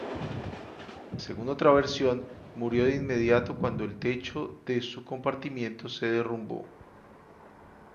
Según otra versión, murió de inmediato cuando el techo de su compartimiento se derrumbó.